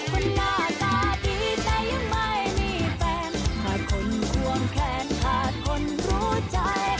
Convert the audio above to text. คนหน้าตาดีใจยังไม่มีแฟนขาดคนควงแขนขาดคนรู้ใจ